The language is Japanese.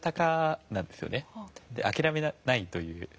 諦めないという。